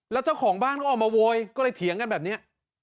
แล้วเจ้าของบ้านก็ออกมาโวยก็เลยเถียงกันแบบนี้